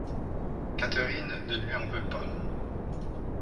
Catherine ne lui en veut pas.